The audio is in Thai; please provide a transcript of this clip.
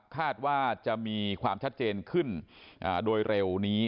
คาดว่าจะมีความชัดเจนขึ้นโดยเร็วนี้